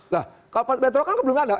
nah kalau bentrokan kan belum ada